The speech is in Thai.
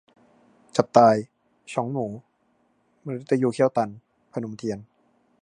จับตาย : ช้องหมู มฤตยูเขี้ยวตัน - พนมเทียน